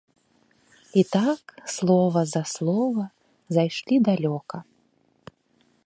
І так, слова за слова, зайшлі далёка.